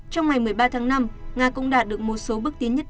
trong ngày một mươi ba tháng năm nga cũng đạt được một số bước tiến nhất định